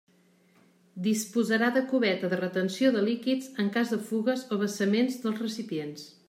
Disposarà de cubeta de retenció de líquids en cas de fugues o vessaments dels recipients.